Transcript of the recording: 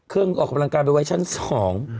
เครื่องออกกำลังการไปไว้ชั้นสอง